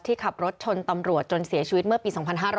ขับรถชนตำรวจจนเสียชีวิตเมื่อปี๒๕๕๙